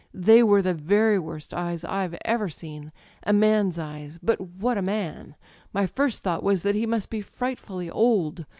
They were the very worst eyes IVe ever seen: a man's eyes â€" but what a man! My first thought was that he must be frightfully old.